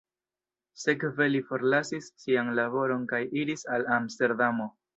Sekve li forlasis sian laboron kaj iris al Amsterdamo.